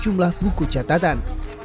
jumlah buku catatan